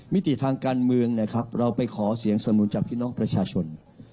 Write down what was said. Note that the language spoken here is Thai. วิธีทางการเมืองเราไปขอเสียงสมรุนจับจากน้องประชาชน